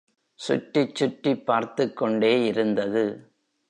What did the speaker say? சுற்றிச் சுற்றிப் பார்த்துக்கொண்டே இருந்தது.